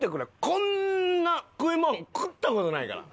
こんな食いもん食った事ないから。